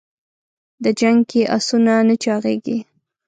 د جنګ کې اسونه نه چاغېږي.